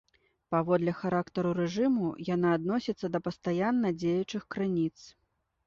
Паводле характару рэжыму яна адносіцца да пастаянна дзеючых крыніц.